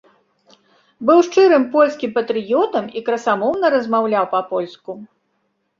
Быў шчырым польскім патрыётам і красамоўна размаўляў па-польку.